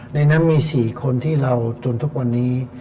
ในนั้นมี๔คนที่เราจนทุกวันนี้